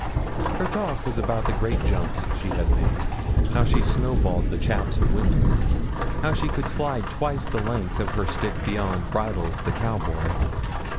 Her talk was about the great jumps she had made how she snow balled the chaps' in winter how she could slide twice the length of her stick beyond 'Briddles, the cow boy.'